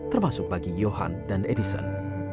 termasuk bagi johan dan edison